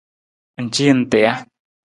Ng ci nta ja?